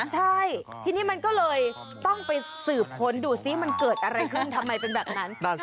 ใช่ทีนี้มันก็เลยต้องไปสืบค้นดูซิมันเกิดอะไรขึ้นทำไมเป็นแบบนั้น